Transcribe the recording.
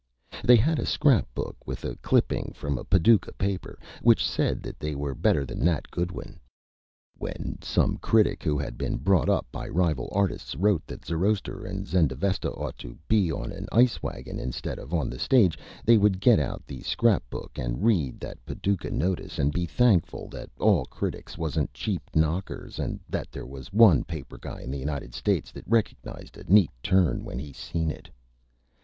They had a Scrap Book with a Clipping from a Paducah Paper, which said that they were better than Nat Goodwin. When some Critic who had been bought up by Rival Artists wrote that Zoroaster and Zendavesta ought to be on an Ice Wagon instead of on the Stage, they would get out the Scrap Book and read that Paducah Notice and be thankful that all Critics wasn't Cheap Knockers and that there was one Paper Guy in the United States that reckanized a Neat Turn when he seen it.